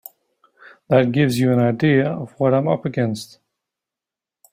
That gives you an idea of what I'm up against.